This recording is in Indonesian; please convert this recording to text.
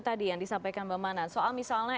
tadi yang disampaikan bapak manan soal misalnya